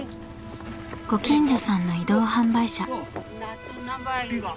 ご近所さんの移動販売車。